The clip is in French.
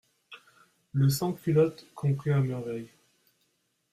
Le sans-culotte comprit à merveille.